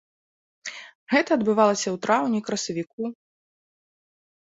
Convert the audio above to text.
Гэта адбывалася ў траўні, красавіку.